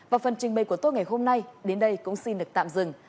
và phần trình bày của tôi ngày hôm nay đến đây cũng xin được tạm dừng